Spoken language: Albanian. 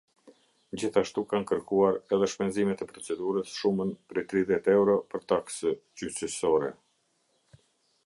Gjithashtu kanë kërkuar edhe shpenzimet e procedurës, shumën prej tridhjetë euro për taksë gjyqësore.